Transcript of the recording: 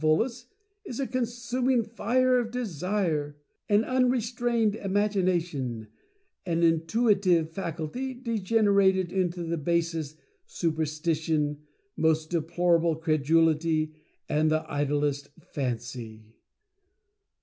Volos, is a consuming fire of Desire; an unrestrained Imagi nation ; an Intuitive Faculty degenerated into the bas est superstition, most deplorable credulity, and the idlest Fancy.